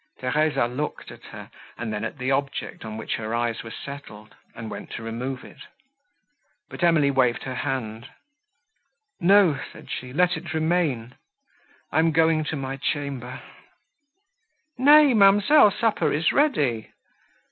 Theresa looked at her, and then at the object, on which her eyes were settled, and went to remove it; but Emily waved her hand—"No," said she, "let it remain. I am going to my chamber." "Nay, ma'amselle, supper is ready."